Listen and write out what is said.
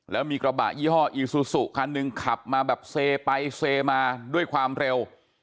แล้วมีกระบะยี่ห้ออีซูซูคันหนึ่งขับมาแบบเซไปเซมาด้วยความเร็ว